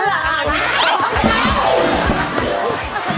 คำนั้น